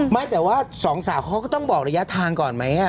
ไม่แต่ว่าสองสาวเขาก็ต้องบอกระยะทางก่อนไหม